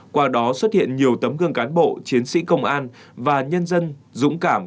qua đó xuất hiện nhiều tấm gương cán bộ chiến sĩ công an và nhân dân dũng cảm